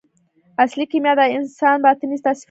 اصلي کیمیا د انسان باطني تصفیه ده.